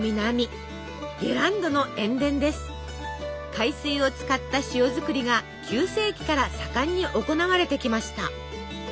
海水を使った塩作りが９世紀から盛んに行われてきました。